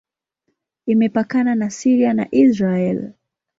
Imepakana na Syria na Israel.